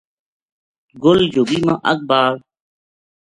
گل جھُگی ما اگ بال